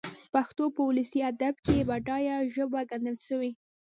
پښتو په اولسي ادب کښي بډايه ژبه ګڼل سوې.